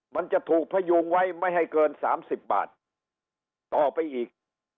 มันจะถูกพยุงไว้ไม่ให้เกิน๓๐บาทต่อไปอีก